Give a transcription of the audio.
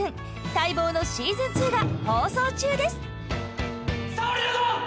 待望のしずん２が放送中です！